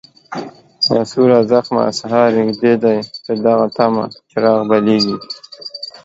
ناسوره زخمه، سهار نژدې دی په دغه طمه، چراغ بلیږي